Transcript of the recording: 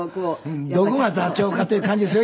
どこが座長かという感じですよ